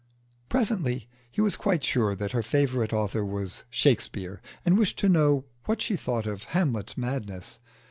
Presently he was quite sure that her favourite author was Shakspere, and wished to know what she thought of Hamlet's madness.